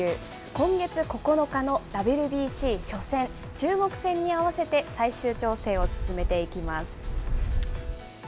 今月９日のＷＢＣ初戦、中国戦に合わせて最終調整を進めていきます。